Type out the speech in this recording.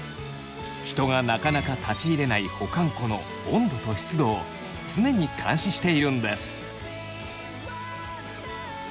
人がなかなか立ち入れない保管庫の温度と湿度を常に監視しているんです。